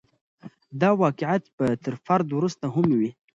دا واقعیت به تر فرد وروسته هم وي.